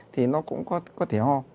thì nó cũng có thể ho